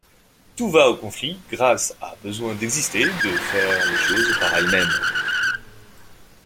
Tout va au conflit, Grace a besoin d'exister, de faire les choses par elle-même.